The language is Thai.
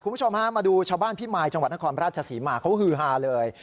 คุณผู้ชมฮะมาดูชาวบ้านพิมายจังหวัดนครราชศรีมาเขาฮือฮาเลย